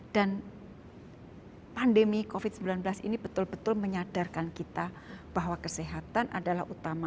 pandemi covid sembilan belas ini betul betul menyadarkan kita bahwa kesehatan adalah utama